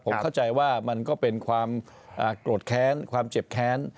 ผมเข้าใจว่ามันก็เป็นความโกรธแค้นความเจ็บแค้น